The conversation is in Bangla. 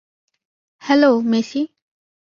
হ্যালো, ম্যেসি।